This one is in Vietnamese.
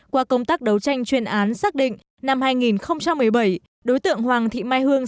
qua công tác đấu tranh chuyên án xác định năm hai nghìn một mươi bảy đối tượng hoàng thị mai hương